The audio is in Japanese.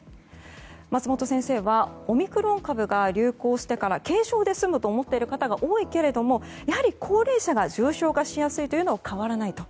松本先生はオミクロン株が流行してから軽症で済むと思っている方が多いけれどもやはり高齢者が重症化しやすいというのは変わらないと。